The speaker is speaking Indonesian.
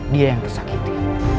dia yang tersakiti